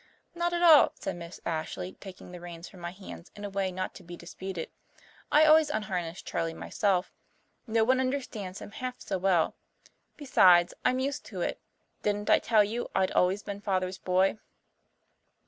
"Not at all," said Miss Ashley, taking the reins from my hands in a way not to be disputed. "I always unharness Charley myself. No one understands him half so well. Besides, I'm used to it. Didn't I tell you I'd always been Father's boy?"